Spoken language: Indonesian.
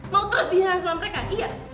mau terus dihina anak mereka